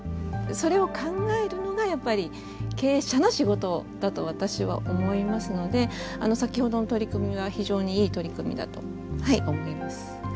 それを考えるのがやっぱり経営者の仕事だと私は思いますので先ほどの取り組みは非常にいい取り組みだと思います。